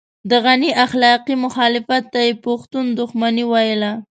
د غني اخلاقي مخالفت ته يې پښتون دښمني ويله.